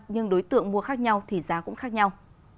nhưng đối tượng mua khác nhau thì giá cũng khác nhau